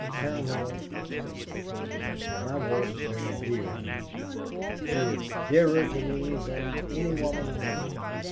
"Paramor," said Gregory, "my ward is very dear to me; she is dearer to me than any woman I know.